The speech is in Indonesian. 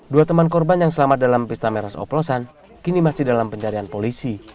dua teman korban yang selamat dalam pesta miras oplosan kini masih dalam pencarian polisi